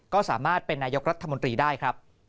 ก็สามารถเป็นนายกรัฐมนตรีได้ครับ